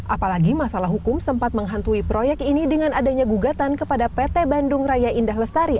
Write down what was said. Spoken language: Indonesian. apalagi masalah hukum sempat menghantui proyek ini dengan adanya gugatan kepada pt bandung raya indah lestari